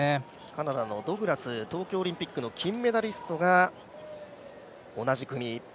カナダのドグラス、東京オリンピックの金メダリストが同じ組。